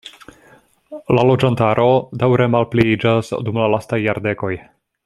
La loĝantaro daŭre malpliiĝas dum la lastaj jardekoj.